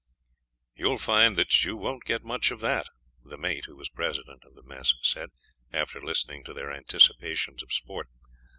"You will find that you won't get much of that," the mate, who was president of the mess, said, after listening to their anticipations of sport.